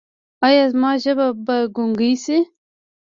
ایا زما ژبه به ګونګۍ شي؟